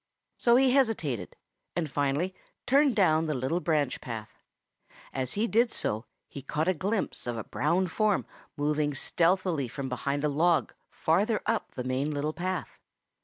So he hesitated and finally turned down the little branch path. As he did so he caught a glimpse of a brown form moving stealthily from behind a log farther up the main little path.